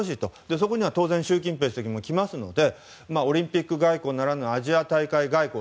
そこには当然習近平国家主席も来ますのでオリンピック外交ならぬアジア大会が意向。